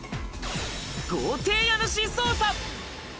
豪邸家主捜査。